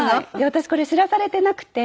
私これ知らされてなくて。